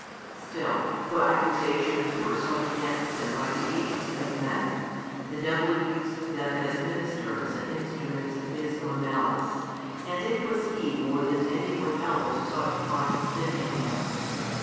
Still, though accusations were sought against Him by the agency of men, the devil used them as ministers and instruments of his own malice, and it was he more than any one else who sought to find sin in Him.